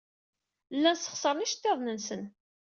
Llan ssexṣaren iceḍḍiḍen-nsen.